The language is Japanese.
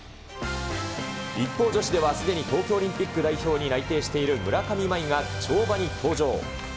一方、女子ではすでに東京オリンピック代表に内定している村上茉愛が跳馬に登場。